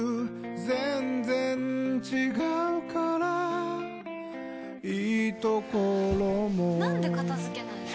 全然違うからいいところもなんで片付けないの？